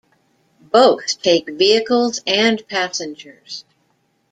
Both take vehicles and passengers.